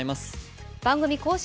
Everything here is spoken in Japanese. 番組公式